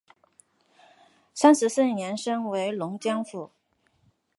三十四年升为龙江府。